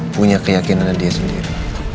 punya keyakinan dia sendiri